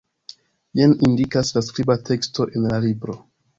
Jen indikas la skriba teksto en la libro.